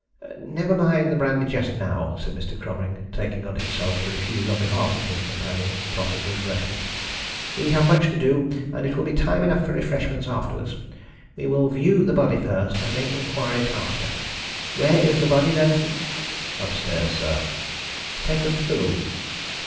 "Never mind the brandy just now," said Mr. Cromering, taking on himself to refuse on behalf of his companions the proffered refreshment. "We have much to do and it will be time enough for refreshments afterwards. We will view the body first, and make inquiries after. Where is the body, Benson?" "Upstairs, sir." "Take us to the room."